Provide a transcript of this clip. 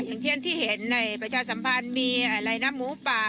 อย่างเช่นที่เห็นในประชาสัมพันธ์มีอะไรนะหมูป่า